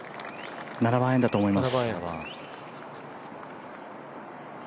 ７番アイアンだと思います。